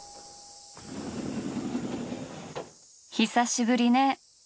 久しぶりネ。